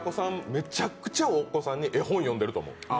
めちゃくちゃお子さんに絵本を読んでると思う。